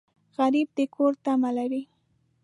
غریب د کور تمه لري